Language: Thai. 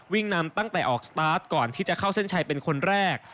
วิ่งนำตั้งแต่ออกสตาร์ทก่อนที่จะเข้าเส้นชัยเป็นคนแรก